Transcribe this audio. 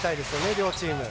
両チーム。